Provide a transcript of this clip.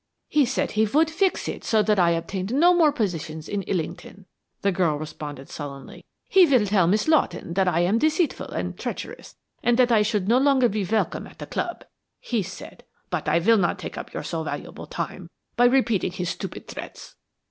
"He said he would fix it so that I obtained no more positions in Illington," the girl responded, sullenly. "He will tell Miss Lawton that I am deceitful and treacherous and I should no longer be welcome at the club! He said but I will not take up your so valuable time by repeating his stupid threats.